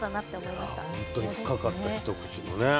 いや本当に深かった一口のね。